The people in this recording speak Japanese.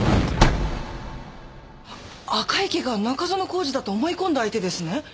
赤池が中園宏司だと思い込んだ相手ですね！